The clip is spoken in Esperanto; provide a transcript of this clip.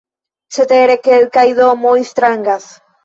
Cetere, kelkaj domoj strangas.